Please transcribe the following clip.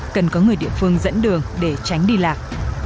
cần có người địa phương dẫn đường để tránh đi lạc